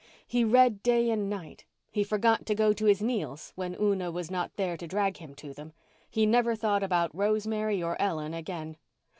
He read day and night; he forgot to go to his meals when Una was not there to drag him to them; he never thought about Rosemary or Ellen again.